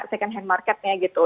second hand marketnya gitu